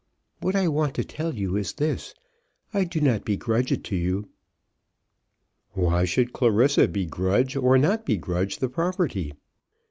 What I want to tell you is this; I do not begrudge it to you." Why should Clarissa begrudge or not begrudge the property?